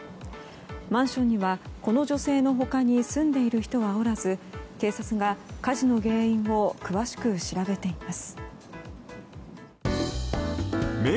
マンションにはこの女性の他に住んでいる人はおらず警察が、火事の原因を詳しく調べています。